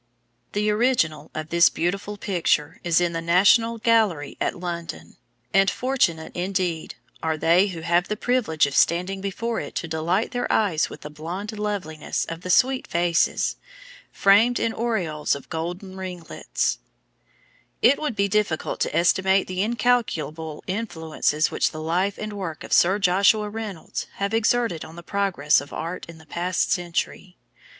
The original of this beautiful picture is in the National Gallery at London, and fortunate indeed are they who have the privilege of standing before it to delight their eyes with the blonde loveliness of the sweet faces, framed in aureoles of golden ringlets. [Illustration: NATURE. LAWRENCE.] It would be difficult to estimate the incalculable influence which the life and work of Sir Joshua Reynolds have exerted on the progress of art in the past century.